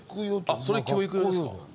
あっそれ教育用ですか。